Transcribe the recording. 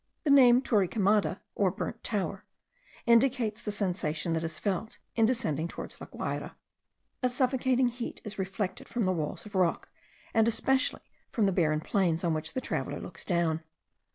The name Torre Quemada, or Burnt Tower, indicates the sensation that is felt in descending towards La Guayra. A suffocating heat is reflected from the walls of rock, and especially from the barren plains on which the traveller looks down.